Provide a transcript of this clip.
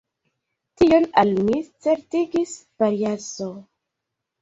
Tion al mi certigis Variaso.